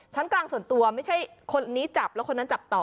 กลางส่วนตัวไม่ใช่คนนี้จับแล้วคนนั้นจับต่อ